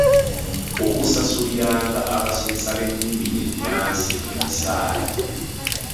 Okusasuliranga abasomesa b’ennimi ennansi emisaala